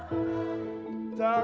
hatimu di sana